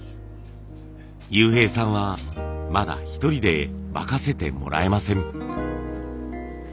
悠平さんはまだ一人で任せてもらえません。